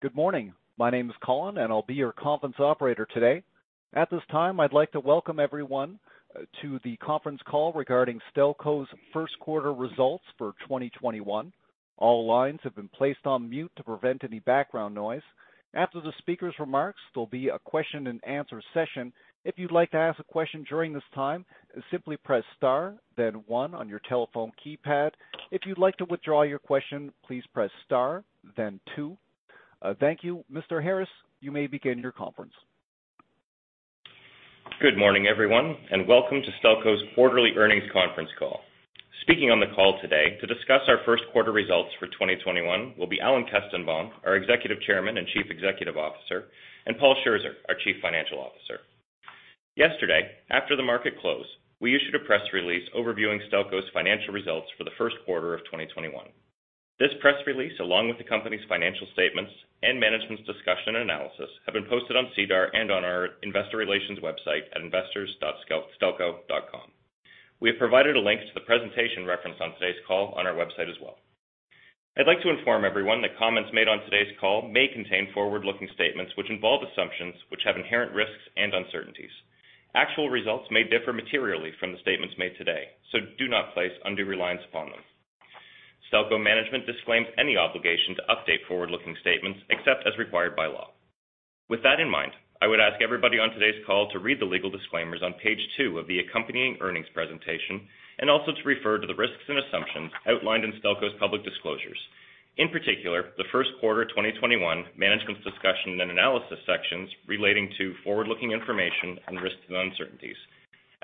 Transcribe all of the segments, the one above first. Good morning. My name is Colin, and I'll be your conference operator today. At this time, I'd like to welcome everyone to the conference call regarding Stelco's first quarter results for 2021. All lines have been placed on mute to prevent any background noise. After the speaker's remarks, there'll be a question and answer session. If you'd like to ask a question during this time, simply press star then one on your telephone keypad. If you'd like to withdraw your question, please press star then two. Thank you. Mr. Harris, you may begin your conference. Good morning, everyone, welcome to Stelco's quarterly earnings conference call. Speaking on the call today to discuss our first quarter results for 2021 will be Alan Kestenbaum, our Executive Chairman and Chief Executive Officer, and Paul Scherzer, our Chief Financial Officer. Yesterday, after the market closed, we issued a press release overviewing Stelco's financial results for the first quarter of 2021. This press release, along with the company's financial statements and management's discussion and analysis, have been posted on SEDAR and on our Investor Relations website at investors.stelco.com. We have provided a link to the presentation referenced on today's call on our website as well. I'd like to inform everyone that comments made on today's call may contain forward-looking statements which involve assumptions which have inherent risks and uncertainties. Actual results may differ materially from the statements made today, do not place undue reliance upon them. Stelco management disclaims any obligation to update forward-looking statements except as required by law. With that in mind, I would ask everybody on today's call to read the legal disclaimers on page two of the accompanying earnings presentation and also to refer to the risks and assumptions outlined in Stelco's public disclosures. In particular, the first quarter 2021 Management's Discussion and Analysis sections relating to forward-looking information and risks and uncertainties,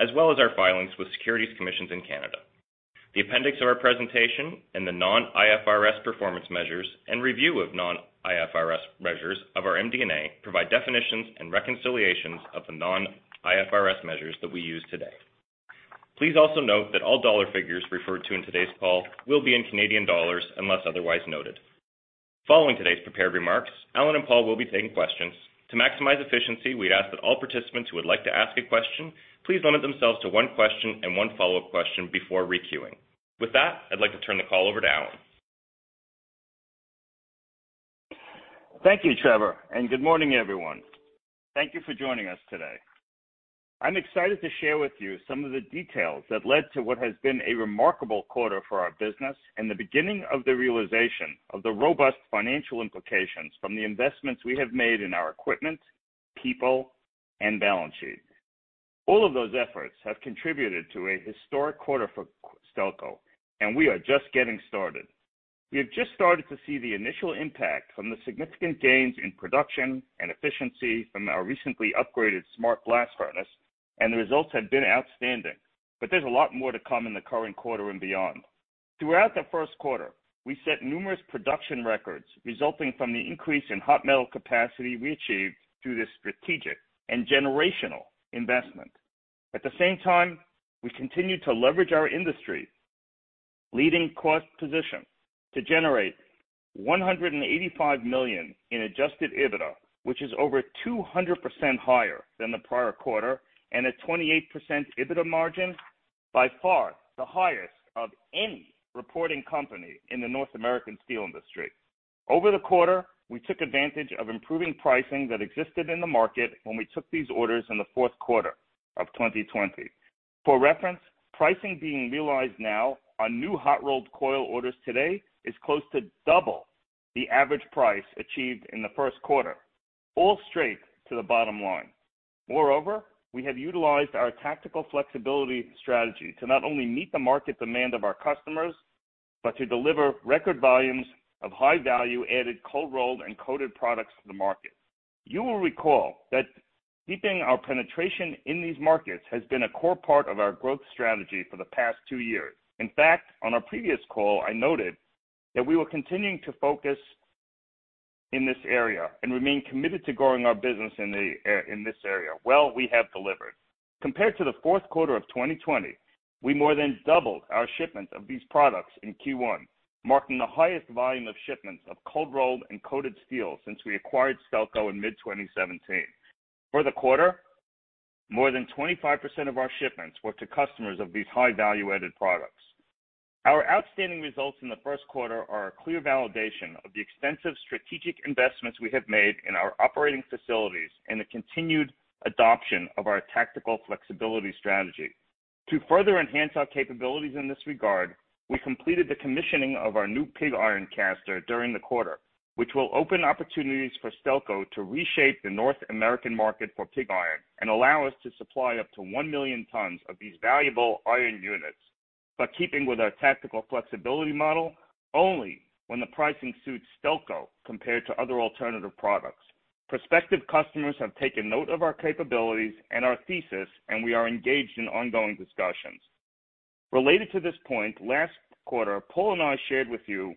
as well as our filings with securities commissions in Canada. The appendix of our presentation and the non-IFRS performance measures and review of non-IFRS measures of our MD&A provide definitions and reconciliations of the non-IFRS measures that we use today. Please also note that all dollar figures referred to in today's call will be in Canadian dollars unless otherwise noted. Following today's prepared remarks, Alan and Paul will be taking questions. To maximize efficiency, we ask that all participants who would like to ask a question please limit themselves to one question and one follow-up question before re-queuing. With that, I'd like to turn the call over to Alan. Thank you, Trevor. Good morning, everyone. Thank you for joining us today. I'm excited to share with you some of the details that led to what has been a remarkable quarter for our business and the beginning of the realization of the robust financial implications from the investments we have made in our equipment, people, and balance sheet. All of those efforts have contributed to a historic quarter for Stelco. We are just getting started. We have just started to see the initial impact from the significant gains in production and efficiency from our recently upgraded smart blast furnace. The results have been outstanding. There's a lot more to come in the current quarter and beyond. Throughout the first quarter, we set numerous production records resulting from the increase in hot metal capacity we achieved through this strategic and generational investment. At the same time, we continued to leverage our industry leading cost position to generate 185 million in adjusted EBITDA, which is over 200% higher than the prior quarter, and a 28% EBITDA margin, by far the highest of any reporting company in the North American steel industry. Over the quarter, we took advantage of improving pricing that existed in the market when we took these orders in the fourth quarter of 2020. For reference, pricing being realized now on new hot rolled coil orders today is close to double the average price achieved in the first quarter, all straight to the bottom line. Moreover, we have utilized our tactical flexibility strategy to not only meet the market demand of our customers, but to deliver record volumes of high value-added cold rolled and coated products to the market. You will recall that keeping our penetration in these markets has been a core part of our growth strategy for the past two years. On our previous call, I noted that we were continuing to focus in this area and remain committed to growing our business in this area. Well, we have delivered. Compared to the fourth quarter of 2020, we more than doubled our shipments of these products in Q1, marking the highest volume of shipments of cold rolled and coated steel since we acquired Stelco in mid-2017. For the quarter, more than 25% of our shipments were to customers of these high value-added products. Our outstanding results in the first quarter are a clear validation of the extensive strategic investments we have made in our operating facilities and the continued adoption of our tactical flexibility strategy. To further enhance our capabilities in this regard, we completed the commissioning of our new pig iron caster during the quarter, which will open opportunities for Stelco to reshape the North American market for pig iron and allow us to supply up to 1 million tons of these valuable iron units, but keeping with our tactical flexibility model, only when the pricing suits Stelco compared to other alternative products. Prospective customers have taken note of our capabilities and our thesis, and we are engaged in ongoing discussions. Related to this point, last quarter, Paul and I shared with you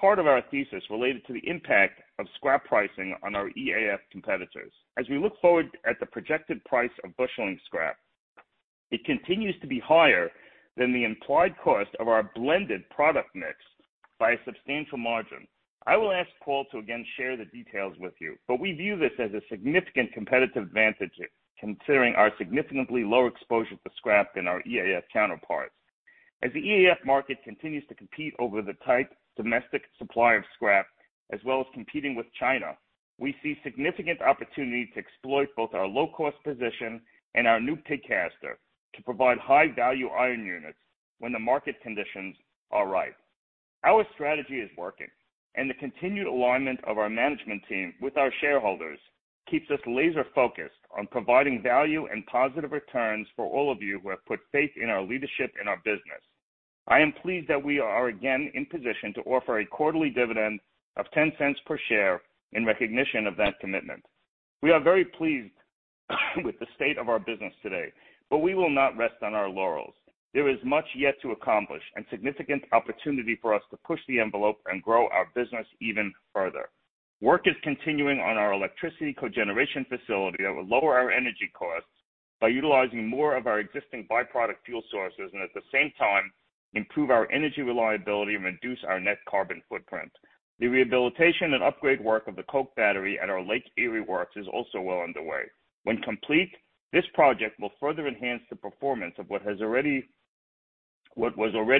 part of our thesis related to the impact of scrap pricing on our EAF competitors. As we look forward at the projected price of busheling scrap, it continues to be higher than the implied cost of our blended product mix by a substantial margin. I will ask Paul to again share the details with you, but we view this as a significant competitive advantage considering our significantly lower exposure to scrap than our EAF counterparts. As the EAF market continues to compete over the tight domestic supply of scrap, as well as competing with China, we see significant opportunity to exploit both our low-cost position and our new pig caster to provide high-value iron units when the market conditions are right. Our strategy is working, and the continued alignment of our management team with our shareholders keeps us laser-focused on providing value and positive returns for all of you who have put faith in our leadership and our business. I am pleased that we are again in position to offer a quarterly dividend of 0.10 per share in recognition of that commitment. We are very pleased with the state of our business today, but we will not rest on our laurels. There is much yet to accomplish and significant opportunity for us to push the envelope and grow our business even further. Work is continuing on our electricity cogeneration facility that will lower our energy costs by utilizing more of our existing byproduct fuel sources, and at the same time, improve our energy reliability and reduce our net carbon footprint. The rehabilitation and upgrade work of the coke battery at our Lake Erie Works is also well underway. When complete, this project will further enhance the performance of what was already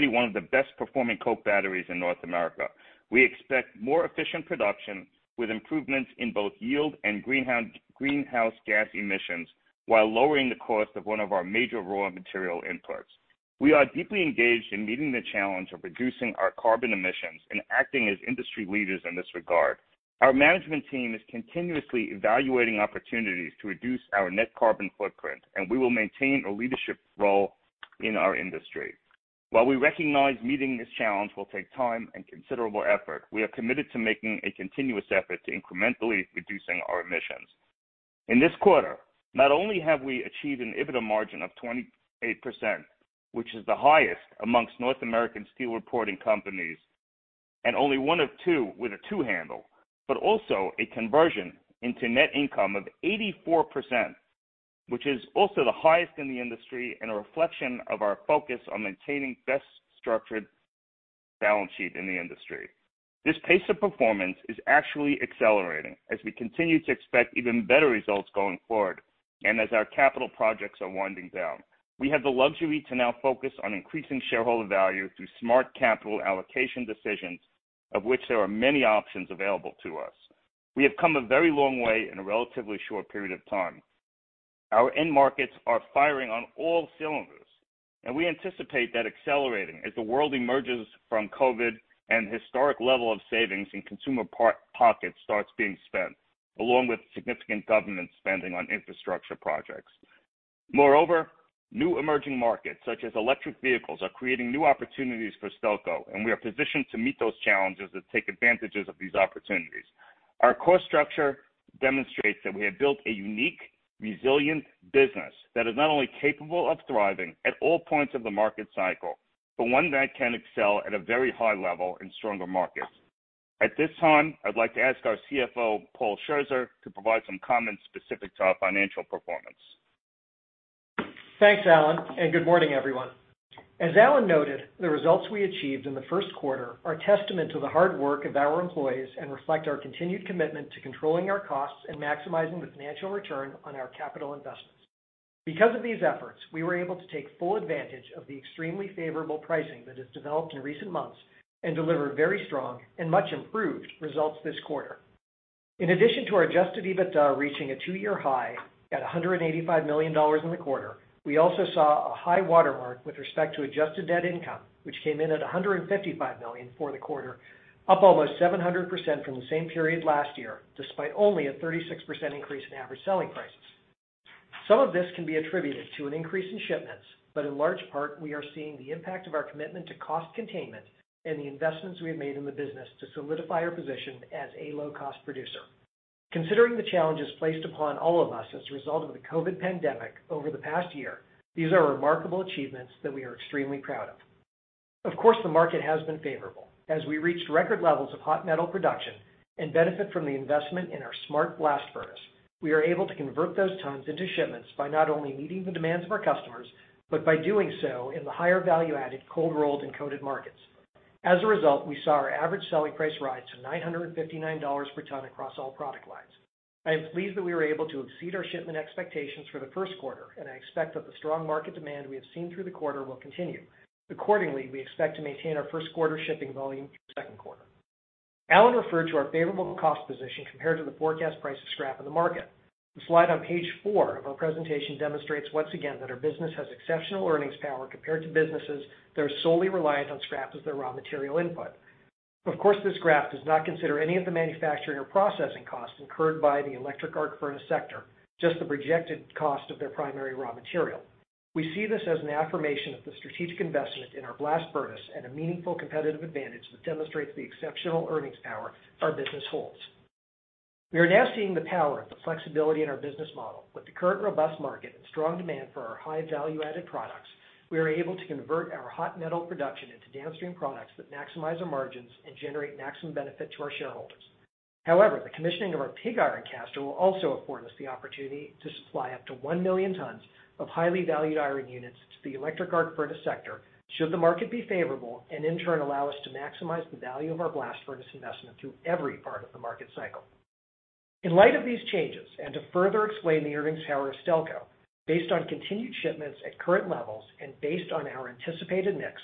one of the best-performing coke batteries in North America. We expect more efficient production with improvements in both yield and greenhouse gas emissions while lowering the cost of one of our major raw material inputs. We are deeply engaged in meeting the challenge of reducing our carbon emissions and acting as industry leaders in this regard. Our management team is continuously evaluating opportunities to reduce our net carbon footprint, and we will maintain a leadership role in our industry. While we recognize meeting this challenge will take time and considerable effort, we are committed to making a continuous effort to incrementally reducing our emissions. In this quarter, not only have we achieved an EBITDA margin of 28%, which is the highest amongst North American steel reporting companies, and only one of two with a two handle, but also a conversion into net income of 84%, which is also the highest in the industry and a reflection of our focus on maintaining best structured balance sheet in the industry. This pace of performance is actually accelerating as we continue to expect even better results going forward and as our capital projects are winding down. We have the luxury to now focus on increasing shareholder value through smart capital allocation decisions, of which there are many options available to us. We have come a very long way in a relatively short period of time. Our end markets are firing on all cylinders, and we anticipate that accelerating as the world emerges from COVID and historic level of savings in consumer pockets starts being spent, along with significant government spending on infrastructure projects. New emerging markets such as electric vehicles are creating new opportunities for Stelco, and we are positioned to meet those challenges that take advantages of these opportunities. Our cost structure demonstrates that we have built a unique, resilient business that is not only capable of thriving at all points of the market cycle, but one that can excel at a very high level in stronger markets. At this time, I'd like to ask our CFO, Paul Scherzer, to provide some comments specific to our financial performance. Thanks, Alan, and good morning, everyone. As Alan noted, the results we achieved in the first quarter are testament to the hard work of our employees and reflect our continued commitment to controlling our costs and maximizing the financial return on our capital investments. Because of these efforts, we were able to take full advantage of the extremely favorable pricing that has developed in recent months and deliver very strong and much improved results this quarter. In addition to our adjusted EBITDA reaching a two-year high at 185 million dollars in the quarter, we also saw a high-water mark with respect to adjusted net income, which came in at 155 million for the quarter, up almost 700% from the same period last year, despite only a 36% increase in average selling prices. Some of this can be attributed to an increase in shipments, but in large part, we are seeing the impact of our commitment to cost containment and the investments we have made in the business to solidify our position as a low-cost producer. Considering the challenges placed upon all of us as a result of the COVID pandemic over the past year, these are remarkable achievements that we are extremely proud of. Of course, the market has been favorable. As we reached record levels of hot metal production and benefit from the investment in our smart blast furnace, we are able to convert those tons into shipments by not only meeting the demands of our customers, but by doing so in the higher value-added, cold-rolled, and coated markets. As a result, we saw our average selling price rise to 959 dollars/ton across all product lines. I am pleased that we were able to exceed our shipment expectations for the first quarter, and I expect that the strong market demand we have seen through the quarter will continue. Accordingly, we expect to maintain our first quarter shipping volume through second quarter. Alan referred to our favorable cost position compared to the forecast price of scrap in the market. The slide on page four of our presentation demonstrates once again that our business has exceptional earnings power compared to businesses that are solely reliant on scrap as their raw material input. Of course, this graph does not consider any of the manufacturing or processing costs incurred by the electric arc furnace sector, just the projected cost of their primary raw material. We see this as an affirmation of the strategic investment in our blast furnace and a meaningful competitive advantage that demonstrates the exceptional earnings power our business holds. We are now seeing the power of the flexibility in our business model. With the current robust market and strong demand for our high value-added products, we are able to convert our hot metal production into downstream products that maximize our margins and generate maximum benefit to our shareholders. However, the commissioning of our pig iron caster will also afford us the opportunity to supply up to 1 million tons of highly valued iron units to the electric arc furnace sector, should the market be favorable, and in turn, allow us to maximize the value of our blast furnace investment through every part of the market cycle. In light of these changes, and to further explain the earnings power of Stelco, based on continued shipments at current levels and based on our anticipated mix,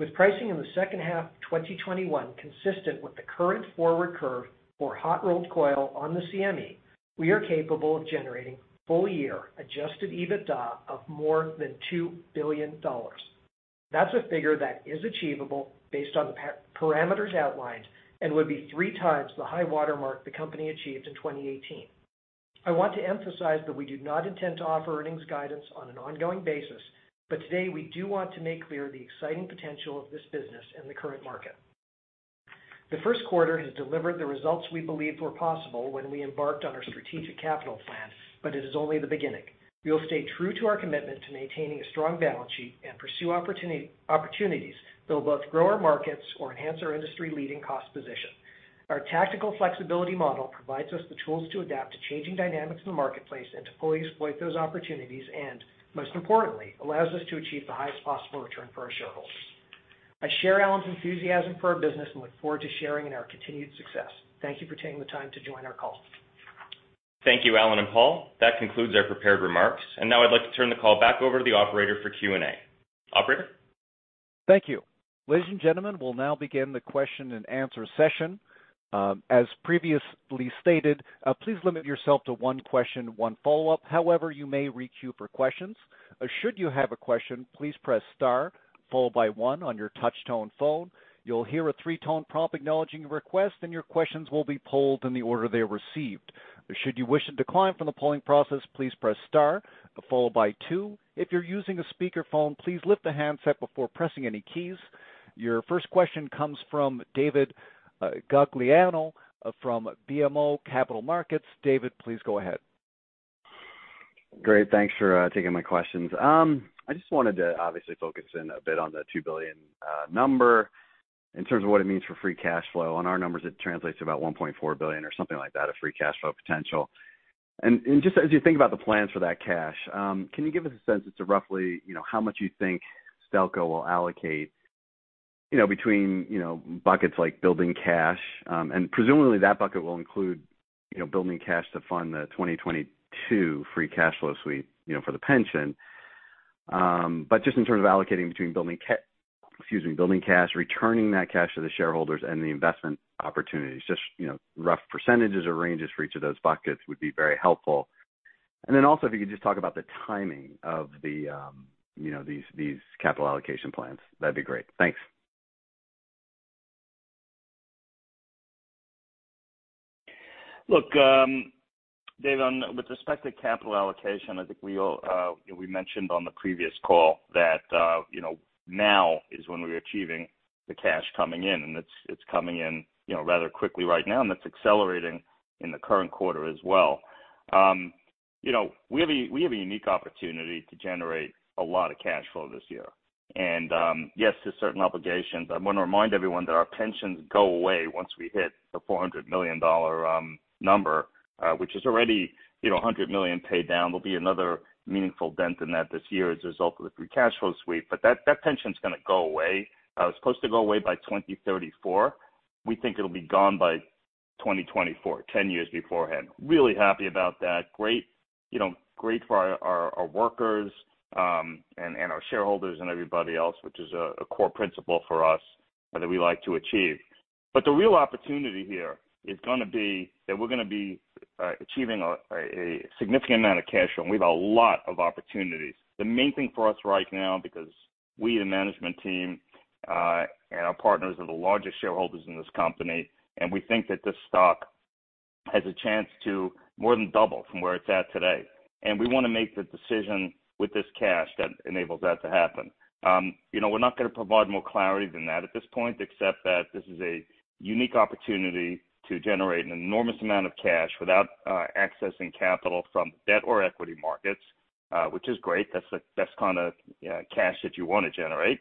with pricing in the second half of 2021 consistent with the current forward curve for hot rolled coil on the CME, we are capable of generating full-year adjusted EBITDA of more than 2 billion dollars. That's a figure that is achievable based on the parameters outlined and would be three times the high-water mark the company achieved in 2018. I want to emphasize that we do not intend to offer earnings guidance on an ongoing basis, but today we do want to make clear the exciting potential of this business in the current market. The first quarter has delivered the results we believed were possible when we embarked on our strategic capital plan, but it is only the beginning. We will stay true to our commitment to maintaining a strong balance sheet and pursue opportunities that will both grow our markets or enhance our industry-leading cost position. Our tactical flexibility model provides us the tools to adapt to changing dynamics in the marketplace and to fully exploit those opportunities and, most importantly, allows us to achieve the highest possible return for our shareholders. I share Alan's enthusiasm for our business and look forward to sharing in our continued success. Thank you for taking the time to join our call. Thank you, Alan and Paul. That concludes our prepared remarks. Now I'd like to turn the call back over to the operator for Q&A. Operator? Thank you. Ladies and gentlemen, we'll now begin the question and answer session. As previously stated, please limit yourself to one question, one follow up. You may re-queue for questions. Should you have a question, please press star, followed by one on your touch-tone phone. You'll hear a three-tone prompt acknowledging your request, and your questions will be polled in the order they are received. Should you wish to decline from the polling process, please press star, followed by two. If you're using a speakerphone, please lift the handset before pressing any keys. Your first question comes from David Gagliano from BMO Capital Markets. David, please go ahead. Great. Thanks for taking my questions. I just wanted to obviously focus in a bit on the 2 billion number in terms of what it means for free cash flow. On our numbers, it translates to about 1.4 billion or something like that of free cash flow potential. Just as you think about the plans for that cash, can you give us a sense as to roughly how much you think Stelco will allocate between buckets like building cash? Presumably, that bucket will include building cash to fund the 2022 free cash flow sweep for the pension. Just in terms of allocating between building cash, returning that cash to the shareholders, and the investment opportunities, just rough percentages or ranges for each of those buckets would be very helpful. Also, if you could just talk about the timing of these capital allocation plans, that'd be great. Thanks. Look, David, with respect to capital allocation, I think we mentioned on the previous call that now is when we are achieving the cash coming in, and it's coming in rather quickly right now, and that's accelerating in the current quarter as well. We have a unique opportunity to generate a lot of cash flow this year. Yes, there's certain obligations. I want to remind everyone that our pensions go away once we hit the 400 million dollar number, which is already 100 million paid down. There'll be another meaningful dent in that this year as a result of the free cash flow sweep. That pension is going to go away. It's supposed to go away by 2034. We think it'll be gone by 2024, 10 years beforehand. Really happy about that. Great for our workers and our shareholders and everybody else, which is a core principle for us that we like to achieve. The real opportunity here is going to be that we're going to be achieving a significant amount of cash flow, and we have a lot of opportunities. The main thing for us right now, because we, the management team, and our partners are the largest shareholders in this company, and we think that this stock has a chance to more than double from where it's at today. We want to make the decision with this cash that enables that to happen. We're not going to provide more clarity than that at this point, except that this is a unique opportunity to generate an enormous amount of cash without accessing capital from debt or equity markets, which is great. That's the best kind of cash that you want to generate.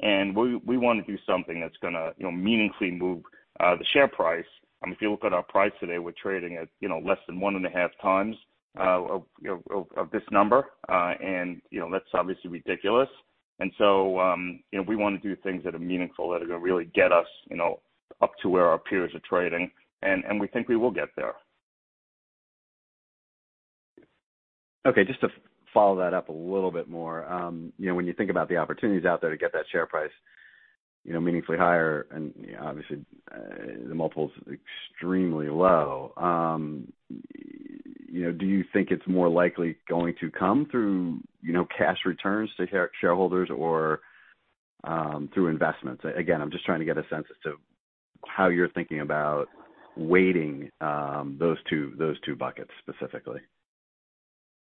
We want to do something that's going to meaningfully move the share price. If you look at our price today, we're trading at less than one and a half times of this number, that's obviously ridiculous. We want to do things that are meaningful, that are going to really get us up to where our peers are trading, and we think we will get there. Okay, just to follow that up a little bit more. When you think about the opportunities out there to get that share price meaningfully higher, and obviously the multiple is extremely low, do you think it's more likely going to come through cash returns to shareholders or through investments? Again, I'm just trying to get a sense as to how you're thinking about weighting those two buckets specifically.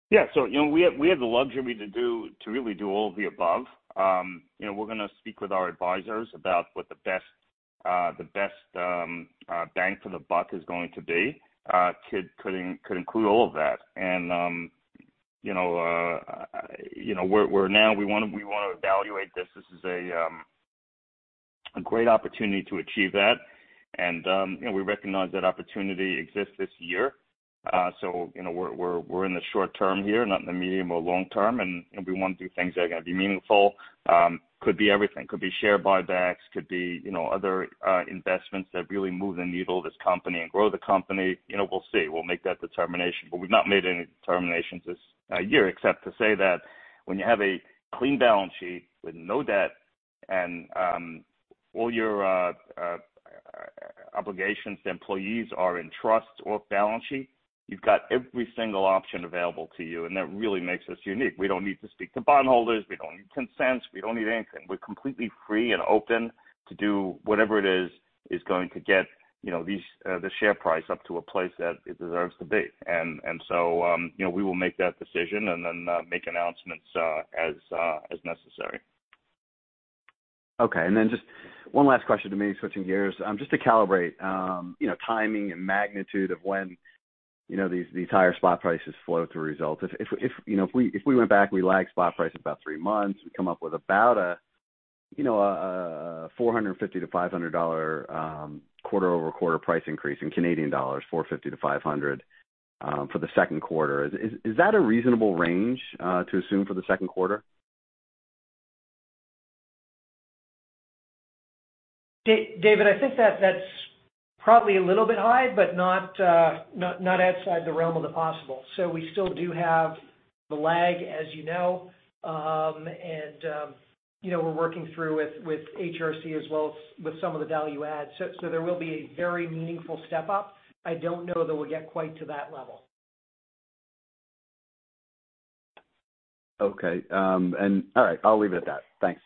Yeah. We have the luxury to really do all of the above. We're going to speak with our advisors about what the best bang for the buck is going to be. Could include all of that. We want to evaluate this. This is a great opportunity to achieve that. We recognize that opportunity exists this year. We're in the short term here, not in the medium or long term, and we want to do things that are going to be meaningful. Could be everything. Could be share buybacks, could be other investments that really move the needle of this company and grow the company. We'll see. We'll make that determination. We've not made any determinations this year except to say that when you have a clean balance sheet with no debt and all your obligations to employees are in trust or balance sheet, you've got every single option available to you, and that really makes us unique. We don't need to speak to bondholders. We don't need consent. We don't need anything. We're completely free and open to do whatever it is going to get the share price up to a place that it deserves to be. We will make that decision and then make announcements as necessary. Okay. Just one last question to me, switching gears. Just to calibrate timing and magnitude of when these higher spot prices flow through results. If we went back, we lag spot price about three months, we come up with about a 450-500 dollar quarter-over-quarter price increase in Canadian dollars, 450-500 for the second quarter. Is that a reasonable range to assume for the second quarter? David, I think that's probably a little bit high, but not outside the realm of the possible. We still do have the lag, as you know, and we're working through with HRC as well as with some of the value add. There will be a very meaningful step up. I don't know that we'll get quite to that level. Okay. All right. I'll leave it at that. Thanks.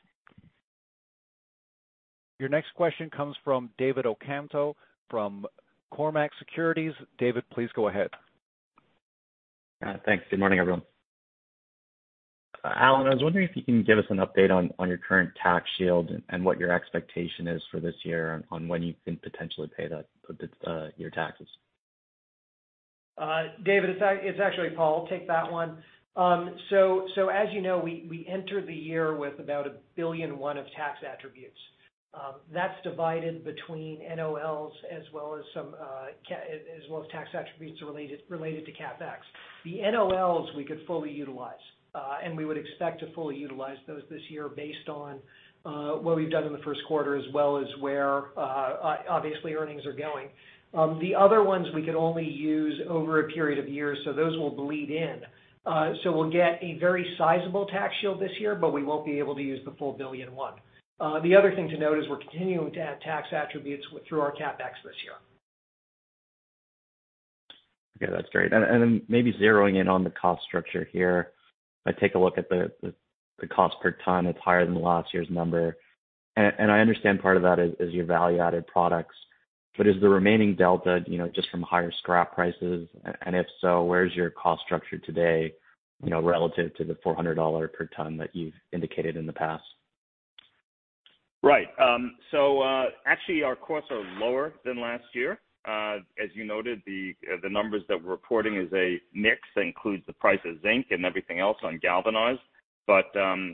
Your next question comes from David Ocampo from Cormark Securities. David, please go ahead. Thanks. Good morning, everyone. Alan, I was wondering if you can give us an update on your current tax shield and what your expectation is for this year on when you can potentially pay your taxes? David, it's actually Paul. I'll take that one. As you know, we entered the year with about 1.1 billion Of tax attributes. That's divided between NOLs as well as tax attributes related to CapEx. The NOLs we could fully utilize, and we would expect to fully utilize those this year based on what we've done in the first quarter, as well as where, obviously, earnings are going. The other ones we could only use over a period of years, so those will bleed in. We'll get a very sizable tax shield this year, but we won't be able to use the full 1.1 billion. The other thing to note is we're continuing to add tax attributes through our CapEx this year. Okay, that's great. Maybe zeroing in on the cost structure here. I take a look at the cost per ton, it's higher than last year's number. I understand part of that is your value-added products, but is the remaining delta just from higher scrap prices? If so, where's your cost structure today, relative to the 400 dollar/ton that you've indicated in the past? Right. actually, our costs are lower than last year. As you noted, the numbers that we're reporting is a mix that includes the price of zinc and everything else on galvanized. We're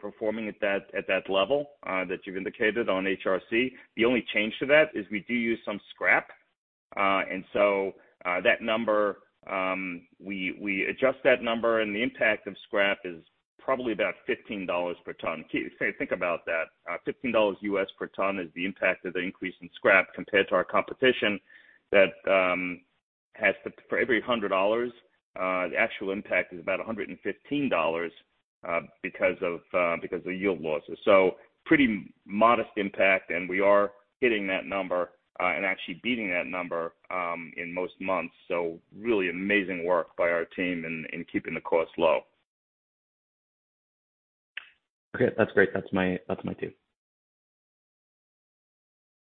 performing at that level that you've indicated on HRC. The only change to that is we do use some scrap. We adjust that number, and the impact of scrap is probably about $15/ton. Think about that. $15/ton is the impact of the increase in scrap compared to our competition, that for every $100, the actual impact is about $115, because of yield losses. Pretty modest impact, and we are hitting that number, and actually beating that number, in most months. Really amazing work by our team in keeping the costs low. Okay. That's great. That's my two.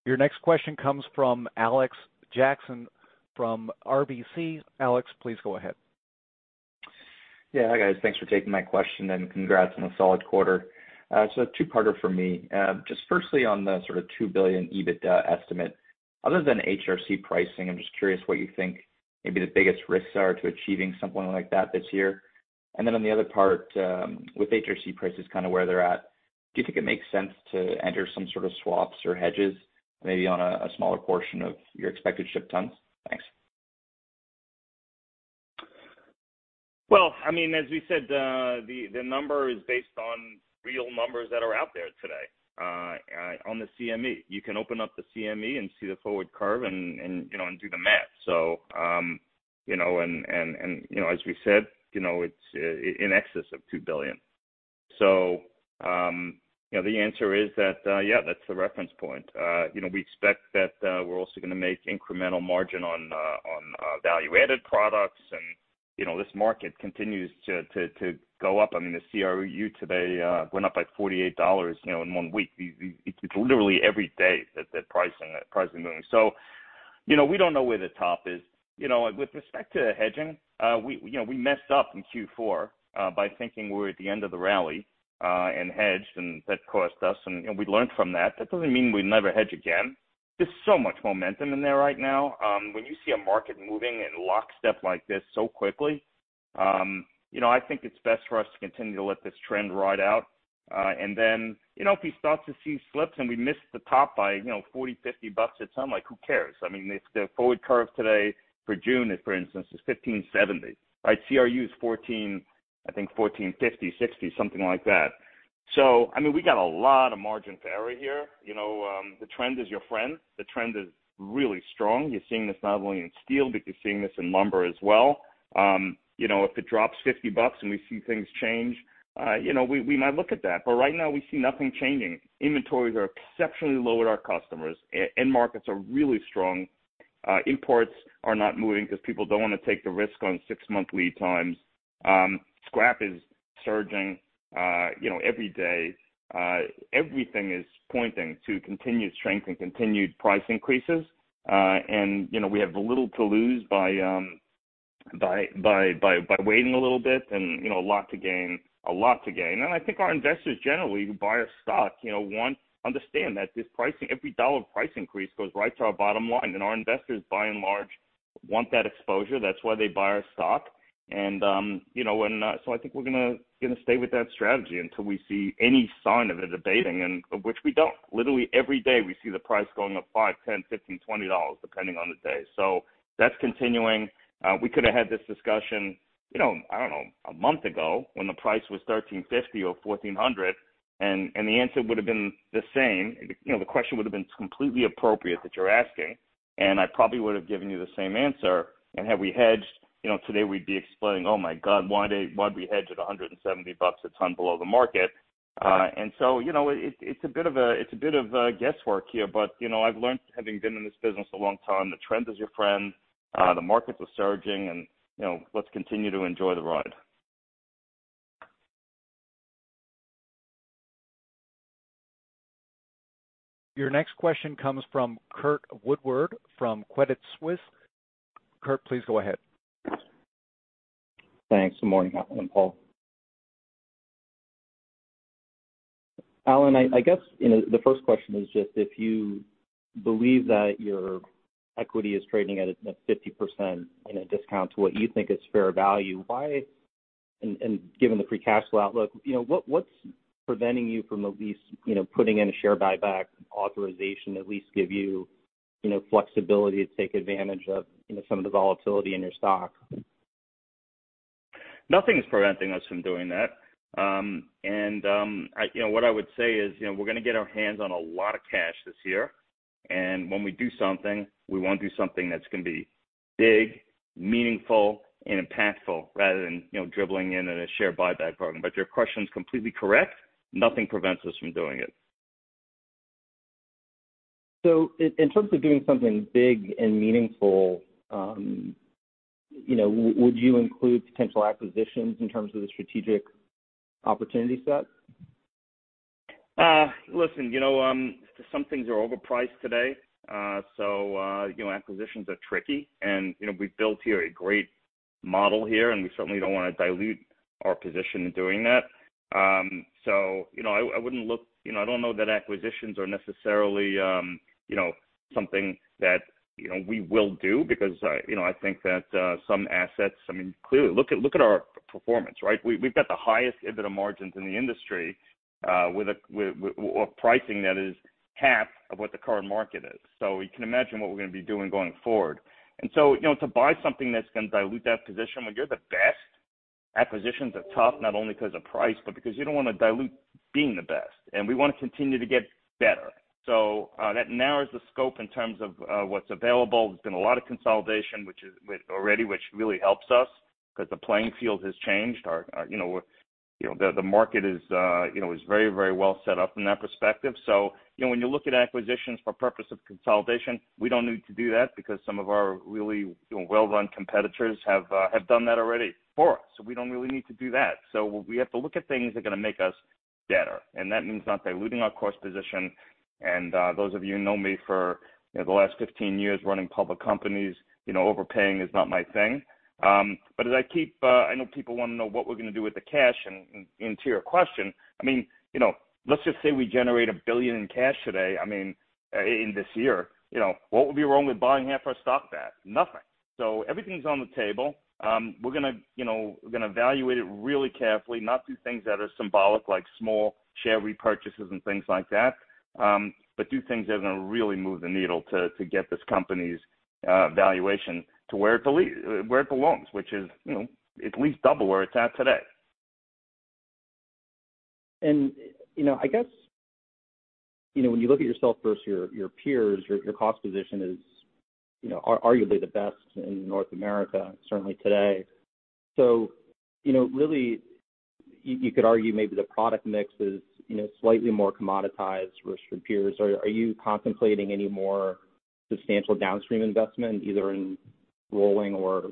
Your next question comes from Alex Jackson from RBC. Alex, please go ahead. Yeah. Hi, guys. Thanks for taking my question, and congrats on a solid quarter. Two-parter for me. Just firstly on the sort of 2 billion EBITDA estimate. Other than HRC pricing, I'm just curious what you think maybe the biggest risks are to achieving something like that this year. On the other part, with HRC prices kind of where they're at, do you think it makes sense to enter some sort of swaps or hedges, maybe on a smaller portion of your expected shipped tons? Thanks. Well, as we said, the number is based on real numbers that are out there today on the CME. You can open up the CME and see the forward curve and do the math. As we said, it's in excess of 2 billion. The answer is that, yeah, that's the reference point. We expect that we're also going to make incremental margin on value-added products, and this market continues to go up. The CRU today went up by 48 dollars in one week. It's literally every day that the price is moving. We don't know where the top is. With respect to hedging, we messed up in Q4 by thinking we were at the end of the rally, and hedged, and that cost us, and we learned from that. That doesn't mean we'd never hedge again. There's so much momentum in there right now. When you see a market moving in lockstep like this so quickly, I think it's best for us to continue to let this trend ride out. If we start to see slips and we miss the top by 40, 50 bucks a ton, who cares? I mean, the forward curve today for June, for instance, is 1,570. CRU is, I think, 1,450, 1,460, something like that. We got a lot of margin for error here. The trend is your friend. The trend is really strong. You're seeing this not only in steel, but you're seeing this in lumber as well. If it drops 50 bucks and we see things change, we might look at that. Right now, we see nothing changing. Inventories are exceptionally low with our customers. End markets are really strong. Imports are not moving because people don't want to take the risk on six-month lead times. Scrap is surging every day. Everything is pointing to continued strength and continued price increases. We have little to lose by waiting a little bit and a lot to gain. I think our investors, generally, who buy our stock, understand that every dollar of price increase goes right to our bottom line. Our investors, by and large, want that exposure. That's why they buy our stock. I think we're going to stay with that strategy until we see any sign of it abating. Of which we don't. Literally, every day, we see the price going up 5 dollars, 10 dollars, CAD 15, CAD 20, depending on the day. That's continuing. We could have had this discussion, I don't know, a month ago when the price was 1,350 or 1,400, and the answer would have been the same. The question would have been completely appropriate that you're asking, and I probably would have given you the same answer. Had we hedged, today we'd be explaining, "Oh my God, why'd we hedge at 170 bucks a ton below the market." It's a bit of guesswork here, but I've learned, having been in this business a long time, the trend is your friend. The markets are surging, and let's continue to enjoy the ride. Your next question comes from Curt Woodworth from Credit Suisse. Curt, please go ahead. Thanks. Good morning, Alan and Paul. Alan, I guess the first question is just if you believe that your equity is trading at a 50% discount to what you think is fair value, and given the free cash flow outlook, what's preventing you from at least putting in a share buyback authorization, at least give you flexibility to take advantage of some of the volatility in your stock? Nothing is preventing us from doing that. What I would say is, we're going to get our hands on a lot of cash this year. When we do something, we want to do something that's going to be big, meaningful, and impactful rather than dribbling in in a share buyback program. Your question's completely correct. Nothing prevents us from doing it. In terms of doing something big and meaningful, would you include potential acquisitions in terms of the strategic opportunity set? Listen, some things are overpriced today. Acquisitions are tricky. We've built here a great model here, and we certainly don't want to dilute our position in doing that. I don't know that acquisitions are necessarily something that we will do because I think that some assets. Clearly, look at our performance. We've got the highest EBITDA margins in the industry with a pricing that is half of what the current market is. You can imagine what we're going to be doing going forward. To buy something that's going to dilute that position when you're the best, acquisitions are tough, not only because of price, but because you don't want to dilute being the best, and we want to continue to get better. That narrows the scope in terms of what's available. There's been a lot of consolidation already, which really helps us because the playing field has changed. The market is very well set up from that perspective. When you look at acquisitions for purpose of consolidation, we don't need to do that because some of our really well-run competitors have done that already for us. We don't really need to do that. We have to look at things that are going to make us better, and that means not diluting our cost position. Those of you who know me for the last 15 years running public companies, overpaying is not my thing. I know people want to know what we're going to do with the cash, and to your question, let's just say we generate 1 billion in cash today, in this year. What would be wrong with buying half our stock back? Nothing. Everything's on the table. We're going to evaluate it really carefully, not do things that are symbolic, like small share repurchases and things like that. Do things that are going to really move the needle to get this company's valuation to where it belongs, which is at least double where it's at today. I guess when you look at yourself versus your peers, your cost position is arguably the best in North America, certainly today. Really, you could argue maybe the product mix is slightly more commoditized versus your peers. Are you contemplating any more substantial downstream investment, either in rolling or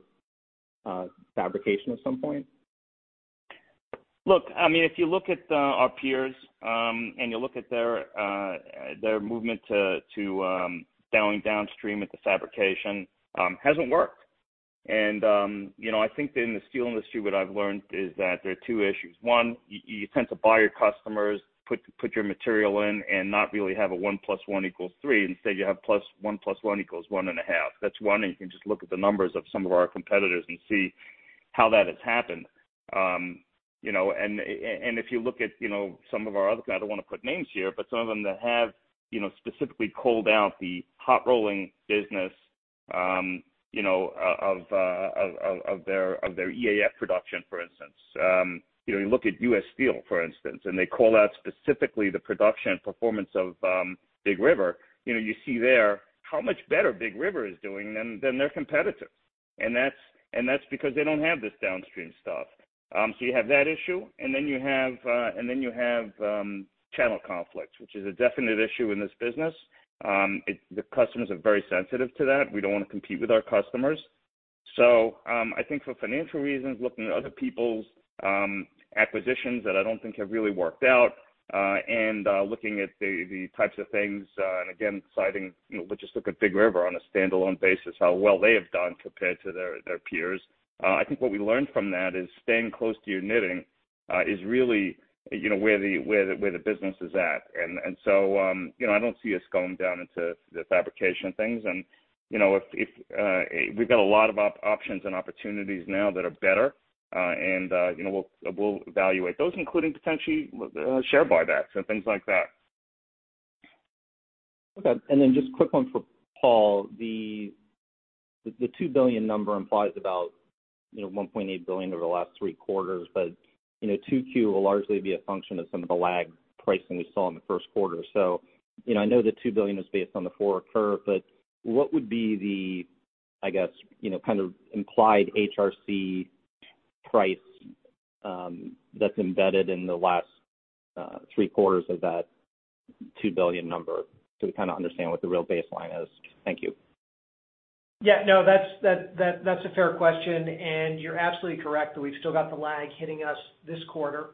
fabrication at some point? Look, if you look at our peers, you look at their movement to going downstream with the fabrication, hasn't worked. I think that in the steel industry, what I've learned is that there are two issues. One, you tend to buy your customers, put your material in, and not really have a 1 + 1 = 3. Instead, you have 1 + 1 = 1.5. That's one, and you can just look at the numbers of some of our competitors and see how that has happened. If you look at some of our other, I don't want to put names here, but some of them that have specifically called out the hot rolling business of their EAF production, for instance. You look at U.S. Steel, for instance, and they call out specifically the production performance of Big River. You see there how much better Big River is doing than their competitors. That's because they don't have this downstream stuff. You have that issue, and then you have channel conflicts, which is a definite issue in this business. The customers are very sensitive to that. We don't want to compete with our customers. I think for financial reasons, looking at other people's acquisitions that I don't think have really worked out, and looking at the types of things, and again, deciding, let's just look at Big River on a standalone basis, how well they have done compared to their peers. I think what we learned from that is staying close to your knitting is really where the business is at. I don't see us going down into the fabrication things. We've got a lot of options and opportunities now that are better. We'll evaluate those, including potentially share buybacks and things like that. Okay. Just quick one for Paul. The 2 billion number implies about 1.8 billion over the last three quarters. Q2 will largely be a function of some of the lagged pricing we saw in the first quarter. I know the 2 billion is based on the forward curve, but what would be the, I guess, kind of implied HRC price that's embedded in the last three quarters of that 2 billion number? We kind of understand what the real baseline is. Thank you. Yeah, no, that's a fair question, and you're absolutely correct that we've still got the lag hitting us this quarter.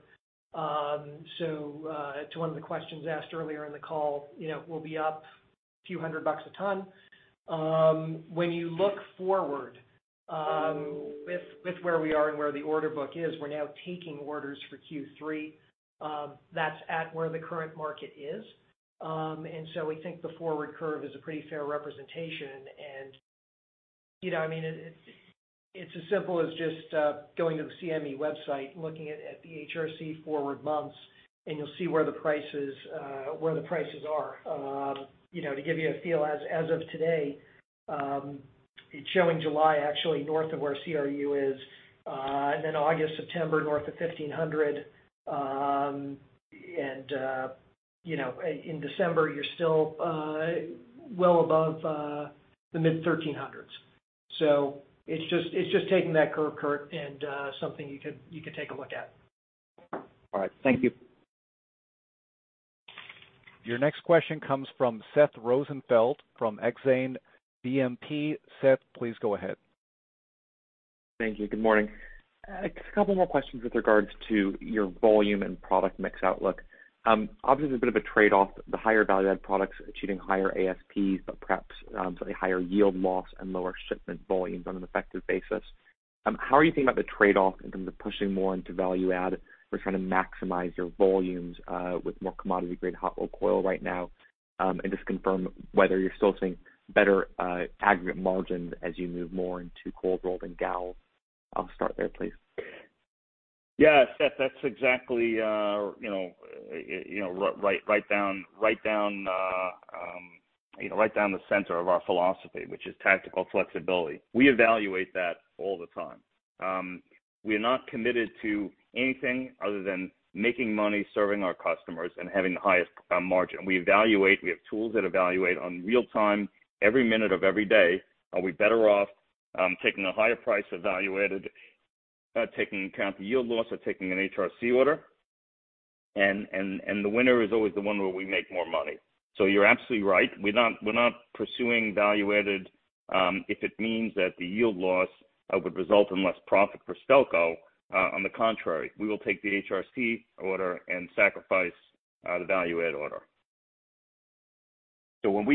To one of the questions asked earlier in the call, we'll be up a few hundred CAD a ton. When you look forward with where we are and where the order book is, we're now taking orders for Q3. That's at where the current market is. We think the forward curve is a pretty fair representation. It's as simple as just going to the CME website, looking at the HRC forward months, and you'll see where the prices are. To give you a feel, as of today, it's showing July actually north of where CRU is. August, September, north of 1,500. In December, you're still well above the mid-CAD 1,300s. It's just taking that curve, Curt, and something you could take a look at. All right. Thank you. Your next question comes from Seth Rosenfeld from Exane BNP. Seth, please go ahead. Thank you. Good morning. Just a couple more questions with regards to your volume and product mix outlook. Obviously, there's a bit of a trade-off, the higher value-add products achieving higher ASPs, but perhaps slightly higher yield loss and lower shipment volumes on an effective basis. How are you thinking about the trade-off in terms of pushing more into value-add or trying to maximize your volumes with more commodity-grade hot rolled coil right now? Just confirm whether you're still seeing better aggregate margins as you move more into cold rolled and gal. I'll start there, please. Seth, that's exactly right down the center of our philosophy, which is tactical flexibility. We evaluate that all the time. We are not committed to anything other than making money, serving our customers, and having the highest margin. We evaluate, we have tools that evaluate on real-time, every minute of every day. Are we better off taking a higher price of value-added, taking into account the yield loss of taking an HRC order? The winner is always the one where we make more money. You're absolutely right. We're not pursuing value-added if it means that the yield loss would result in less profit for Stelco. On the contrary, we will take the HRC order and sacrifice the value-add order. When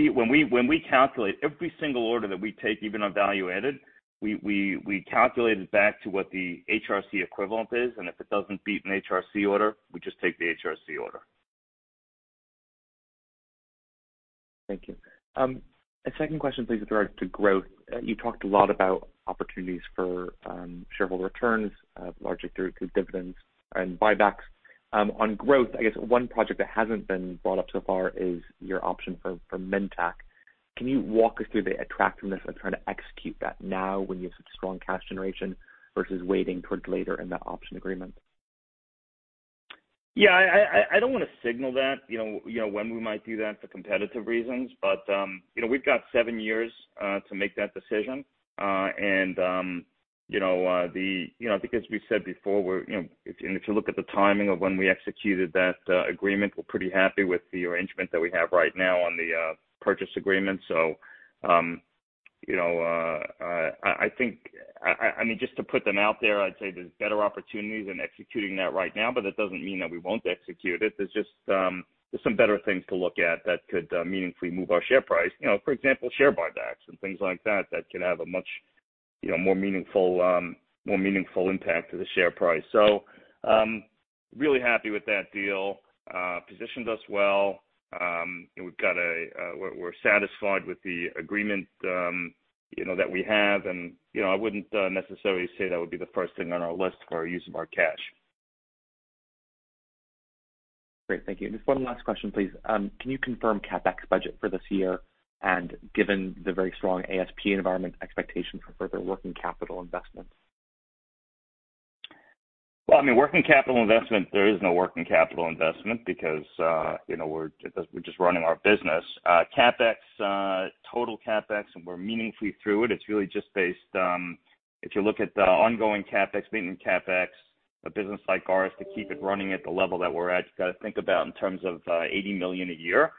we calculate every single order that we take, even on value-added, we calculate it back to what the HRC equivalent is, and if it doesn't beat an HRC order, we just take the HRC order. Thank you. A second question, please, with regard to growth. You talked a lot about opportunities for shareholder returns, largely through dividends and buybacks. On growth, I guess one project that hasn't been brought up so far is your option for Minntac. Can you walk us through the attractiveness of trying to execute that now when you have such strong cash generation versus waiting towards later in the option agreement? Yeah, I don't want to signal that, when we might do that for competitive reasons. We've got seven years to make that decision. I think as we said before, if you look at the timing of when we executed that agreement, we're pretty happy with the arrangement that we have right now on the purchase agreement. I think just to put them out there, I'd say there's better opportunities in executing that right now, but that doesn't mean that we won't execute it. There's some better things to look at that could meaningfully move our share price. For example, share buybacks and things like that could have a much more meaningful impact to the share price. Really happy with that deal. Positioned us well. We're satisfied with the agreement that we have. I wouldn't necessarily say that would be the first thing on our list for our use of our cash. Great. Thank you. Just one last question, please. Can you confirm CapEx budget for this year? Given the very strong ASP environment expectation for further working capital investments? Well, working capital investment, there is no working capital investment because we're just running our business. Total CapEx, and we're meaningfully through it. It's really just based on, if you look at the ongoing CapEx, maintenance CapEx, a business like ours, to keep it running at the level that we're at, you got to think about in terms of 80 million a year.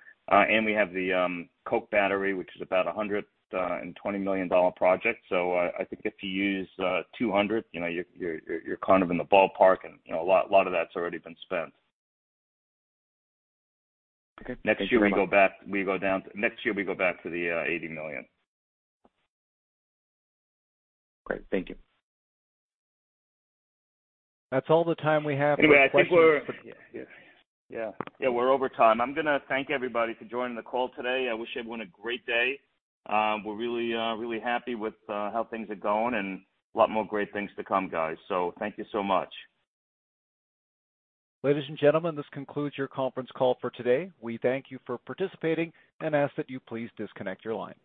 We have the coke battery, which is about 120 million dollar project. I think if you use 200 million, you're kind of in the ballpark, and a lot of that's already been spent. Okay. Thank you very much. Next year, we go back to the 80 million. Great. Thank you. That's all the time we have for questions. I think we're Yeah. We're over time. I'm going to thank everybody for joining the call today. I wish everyone a great day. We're really happy with how things are going, and a lot more great things to come, guys. Thank you so much. Ladies and gentlemen, this concludes your conference call for today. We thank you for participating and ask that you please disconnect your line.